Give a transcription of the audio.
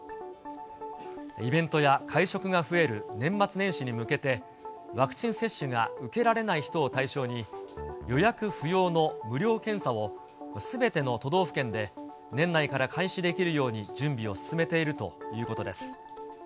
イベントや会食が増える年末年始に向けて、ワクチン接種が受けられない人を対象に、予約不要の無料検査をすべての都道府県で、年内から開始できるように準備を進めているということです。